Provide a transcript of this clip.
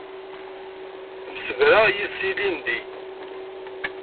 Temsebra yid-s ilindi.